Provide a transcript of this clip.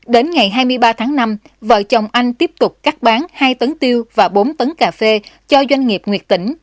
đến ngày hai mươi ba tháng năm vợ chồng anh tiếp tục cắt bán hai tấn tiêu và bốn tấn cà phê cho doanh nghiệp nguyệt tỉnh